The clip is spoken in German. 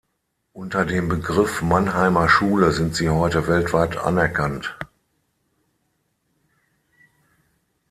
Unter dem Begriff Mannheimer Schule sind sie heute weltweit anerkannt.